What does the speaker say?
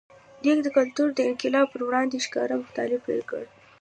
دینګ د کلتوري انقلاب پر وړاندې ښکاره مخالفت پیل کړ.